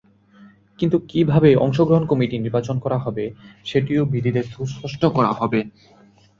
কিন্তু কীভাবে অংশগ্রহণ কমিটি নির্বাচন করা হবে, সেটিও বিধিতে সুস্পষ্ট করা হবে।